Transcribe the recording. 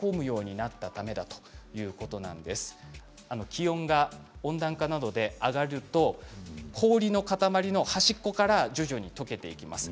気温が温暖化などで上がると氷の塊の端っこから徐々に解けていきます。